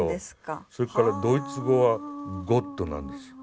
それからドイツ語は「Ｇｏｔｔ」なんですよ。